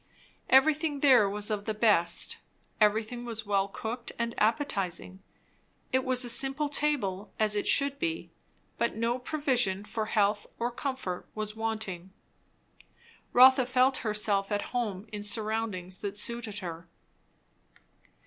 Everything there was of the best; everything was well cooked and appetizing; it was a simple table, as it should be, but no provision for health or comfort was wanting. Rotha felt herself at home in surroundings that suited her.